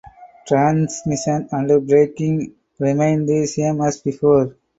Transmission and braking remained the same as before.